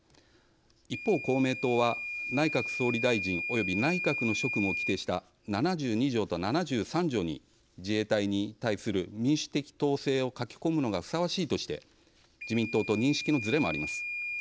一方、公明党は内閣総理大臣および内閣の職務を規定した７２条と７３条に自衛隊に対する民主的統制を書き込むのがふさわしいとして自民党と認識のずれもあります。